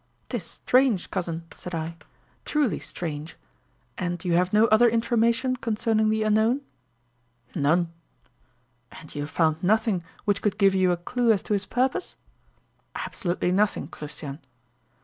"'Tis strange, cousin," said I, "truly strange. And you have no other information concerning the unknown?" "None." "And you have found nothing which could give you a clew as to his purpose?" "Absolutely nothing, Christian."